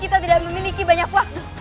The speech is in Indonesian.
kita tidak memiliki banyak waktu